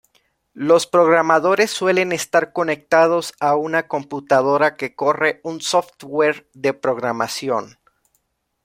Los programadores suelen estar conectados a una computadora que corre un software de programación.